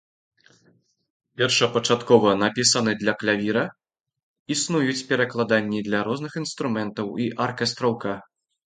Першапачаткова напісаны для клавіра, існуюць перакладанні для розных інструментаў і аркестроўка.